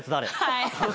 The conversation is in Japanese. はい。